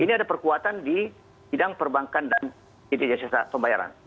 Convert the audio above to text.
ini ada perkuatan di bidang perbankan dan ini jasa pembayaran